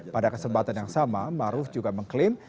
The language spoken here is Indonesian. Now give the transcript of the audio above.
pada kesempatan yang sama maruf juga mengklaim